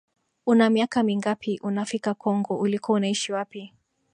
una miaka mingapi unafika congo ulikuwa unaishi wapi